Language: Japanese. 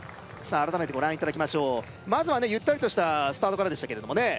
改めてご覧いただきましょうまずはねゆったりとしたスタートからでしたけれどもね